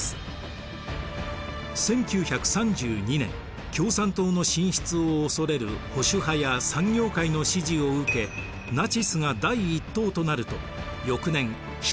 １９３２年共産党の進出を恐れる保守派や産業界の支持を受けナチスが第一党となると翌年ヒトラー内閣が成立。